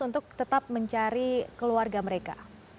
untuk tetap mencari keluarga mereka